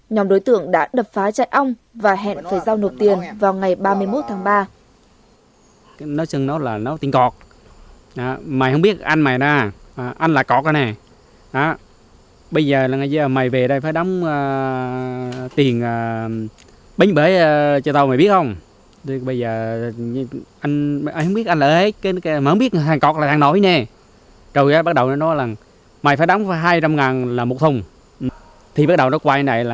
nhóm đối tượng đã đập phá chạy ong và hẹn phải giao nộp tiền vào ngày ba mươi một tháng ba